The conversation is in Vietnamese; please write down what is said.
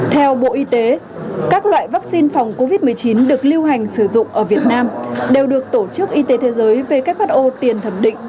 theo bộ y tế các loại vaccine phòng covid một mươi chín được lưu hành sử dụng ở việt nam đều được tổ chức y tế thế giới who tiền thẩm định